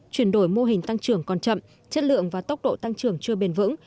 chuyển đổi mô hình tăng trưởng còn chậm chất lượng và tốc độ tăng trưởng chưa bền vững